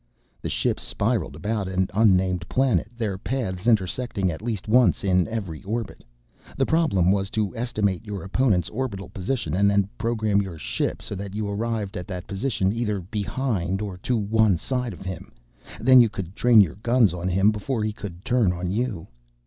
The ships spiraled about an unnamed planet, their paths intersecting at least once in every orbit. The problem was to estimate your opponent's orbital position, and then program your own ship so that you arrived at that position either behind or to one side of him. Then you could train your guns on him before he could turn on you.